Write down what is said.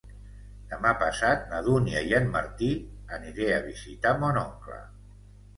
Demà passat na Dúnia i en Martí aniré a visitar mon oncle.